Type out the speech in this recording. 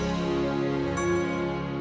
sampai jumpa lagi